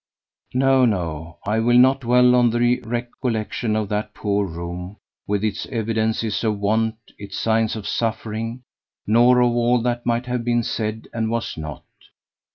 No, no, I will not dwell on the recollection of that poor room, with its evidences of want, its signs of suffering; nor of all that might have been said and was not.